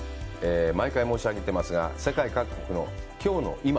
毎回申し上げてますが、世界各国のきょうの今。